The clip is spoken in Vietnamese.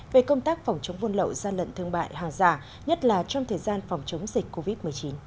về công tác phòng chống buôn lậu gian lận thương mại hàng giả nhất là trong thời gian phòng chống dịch covid một mươi chín